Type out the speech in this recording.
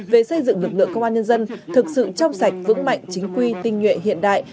về xây dựng lực lượng công an nhân dân thực sự trong sạch vững mạnh chính quy tinh nhuệ hiện đại